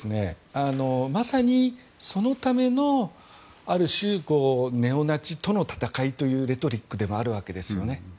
まさに、そのためのある種、ネオナチとの戦いというレトリックでもあるわけですよね。